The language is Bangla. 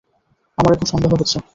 আমার এখন সন্দেহ হচ্ছে।